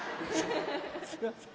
すいません。